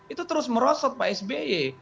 itu terus merosot pak sby